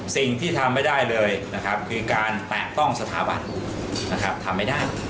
สิ่งที่ทำไม่ได้เลยนะครับคือการแตะต้องสถาบันนะครับทำไม่ได้